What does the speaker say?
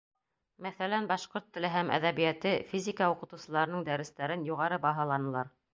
Мәҫәлән, башҡорт теле һәм әҙәбиәте, физика уҡытыусыларының дәрестәрен юғары баһаланылар.